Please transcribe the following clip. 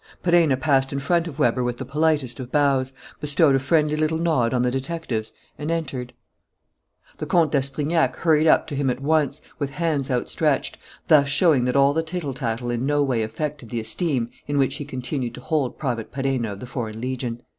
Perenna passed in front of Weber with the politest of bows, bestowed a friendly little nod on the detectives, and entered. The Comte d'Astrignac hurried up to him at once, with hands outstretched, thus showing that all the tittle tattle in no way affected the esteem in which he continued to hold Private Perenna of the Foreign Legion.